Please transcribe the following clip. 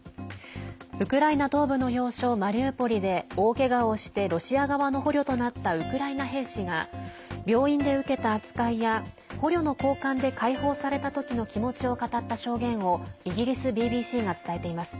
ウクライナ東部の要衝マリウポリで大けがをしてロシア側の捕虜となったウクライナ兵士が病院で受けた扱いや捕虜の交換で解放されたときの気持ちを語った証言をイギリスＢＢＣが伝えています。